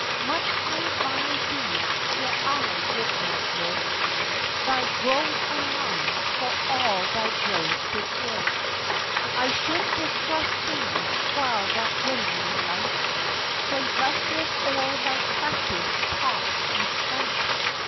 Much I admire thee, yet I would not live Thy groves among, for all thy groves could give. I should distrust thee, while that glimmering light Played lustrous o'er thy clefted top each night.